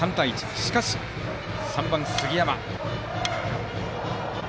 しかし３番、杉山。